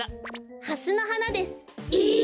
ハスのはなです。え！？